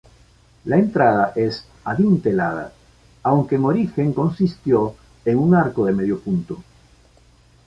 La entrada es adintelada, aunque en origen consistió en un arco de medio punto.